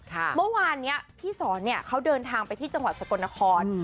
เมื่อวานพี่ซอนเขาเดินทางไปที่จังหวัดสกัณฑ์นคร